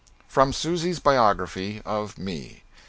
_From Susy's Biography of Me.